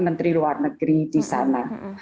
menteri luar negeri di sana